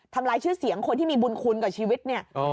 ลายชื่อเสียงคนที่มีบุญคุณกับชีวิตเนี่ย